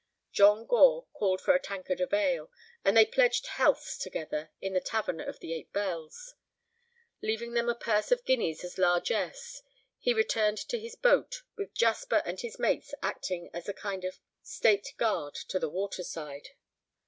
John Gore called for a tankard of ale, and they pledged healths together in the tavern of "The Eight Bells." Leaving them a purse of guineas as largesse, he returned to his boat, with Jasper and his mates acting as a kind of state guard to the water side.